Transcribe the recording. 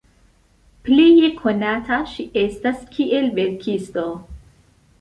Pleje konata ŝi estas kiel verkisto.